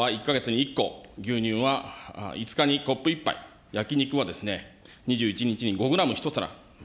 卵は１か月に１個、牛乳は５日にコップ１杯、焼き肉は２１日に５グラム１皿。